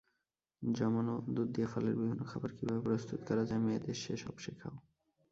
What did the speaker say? জমান দুধ দিয়ে ফলের বিভিন্ন খাবার কিভাবে প্রস্তুত করা যায়, মেয়েদের সে-সব শেখাও।